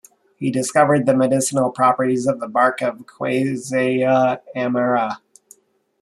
He discovered the medicinal properties of the bark of "Quassia amara".